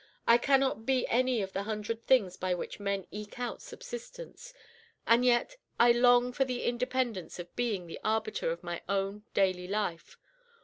I cannot be any of the hundred things by which men eke out subsistence, and yet I long for the independence of being the arbiter of my own daily life.